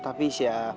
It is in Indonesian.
tapi sih ya